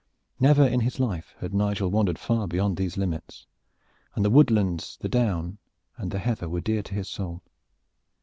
Never in his life had Nigel wandered far beyond these limits, and the woodlands, the down and the heather were dear to his soul.